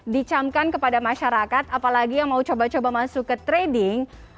dicamkan kepada masyarakat apalagi yang mau coba coba masuk ke trading